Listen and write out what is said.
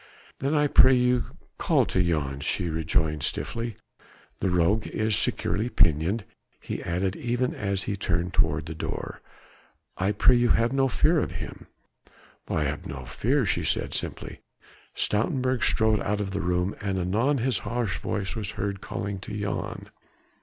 "Then I pray you call to Jan," she rejoined stiffly. "The rogue is securely pinioned," he added even as he turned toward the door. "I pray you have no fear of him." "I have no fear," she said simply. Stoutenburg strode out of the room and anon his harsh voice was heard calling to Jan.